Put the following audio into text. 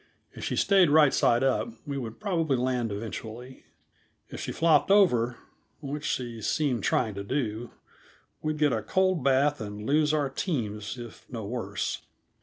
If she stayed right side up we would probably land eventually. If she flopped over which she seemed trying to do, we'd get a cold bath and lose our teams, if no worse.